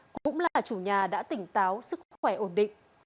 cũng là chủ nhà đã tỉnh táo sức khỏe ổn định